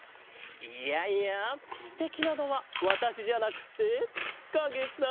いやいやステキなのはわたしじゃなくてかげさ！